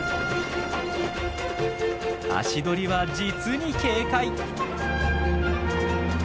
足取りは実に軽快！